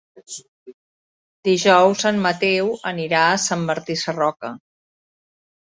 Dijous en Mateu anirà a Sant Martí Sarroca.